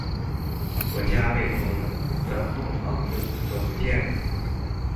我家被偷了，整棟房子都不見了